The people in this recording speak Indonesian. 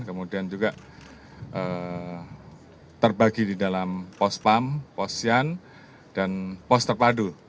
kemudian juga terbagi di dalam pos pam pos sian dan pos terpadu